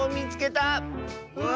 うわ！